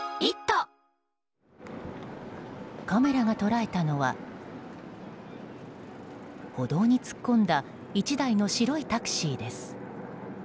カメラが捉えたのは歩道に突っ込んだ１台の白いタクシーです。